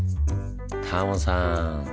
タモさん